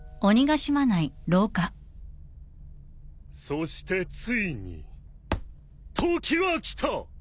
そしてついに時は来た！